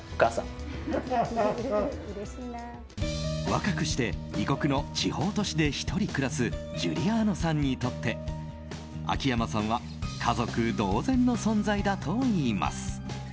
若くして異国の地方都市で１人暮らすジュリアーノさんにとって秋山さんは家族同然の存在だといいます。